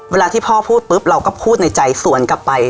เวลาที่พ่อพูดปุ๊บเราก็พูดในใจสวนกลับไป